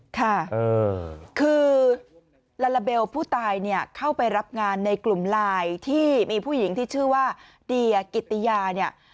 คือลาลาเบลผู้ตายเข้าไปรับงานในกลุ่มลายที่มีผู้หญิงที่ชื่อว่าเดียกิติยา